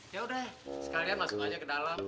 yaudah sekalian masuk aja ke dalam